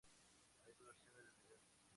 Hay dos versiones del vídeo.